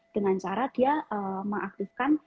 dengan cara dia mengaktifkan